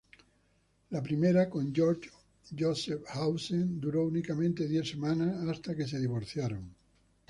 La primera, con George Joseph Hausen, duró únicamente diez semanas hasta que se divorciaron.